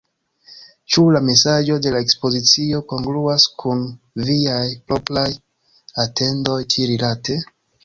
Ĉu la mesaĝo de la ekspozicio kongruas kun viaj propraj atendoj ĉi-rilate?